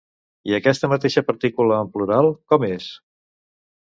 I aquesta mateixa partícula en plural, com és?